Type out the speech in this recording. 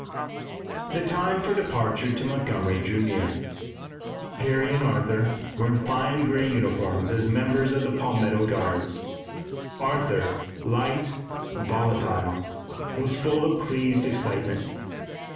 The time for departure to Montgomery drew near. Harry and Arthur were in fine gray uniforms as members of the Palmetto Guards. Arthur, light, volatile, was full of pleased excitement.